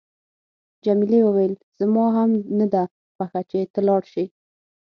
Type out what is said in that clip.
جميلې وويل: زما هم نه ده خوښه چې ته لاړ شې.